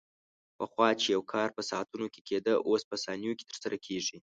پخوا چې یو کار په ساعتونو کې کېده، اوس په ثانیو کې ترسره کېږي.